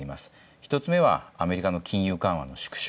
１つめはアメリカの金融緩和の縮小。